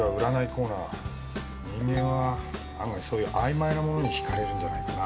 人間は案外そういうあいまいなものにひかれるんじゃないかな。